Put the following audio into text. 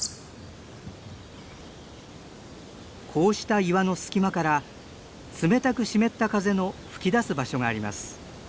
こうした岩の隙間から冷たく湿った風の噴き出す場所があります。